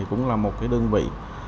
cũng là một đơn vị